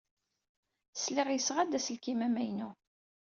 Sliɣ yesɣa-d aselkim amaynu.